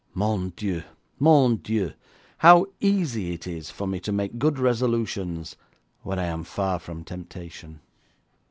Mon Dieu! Mon Dieu! how easy it is for me to make good resolutions when I am far from temptation!